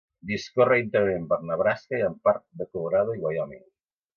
Discorre íntegrament per Nebraska, i en part de Colorado i Wyoming.